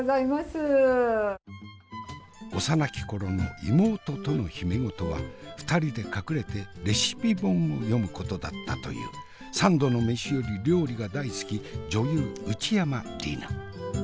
幼き頃の妹との秘め事は２人で隠れてレシピ本を読むことだったという三度の飯より料理が大好き女優内山理名。